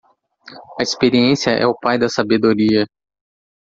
A experiência é o pai da sabedoria.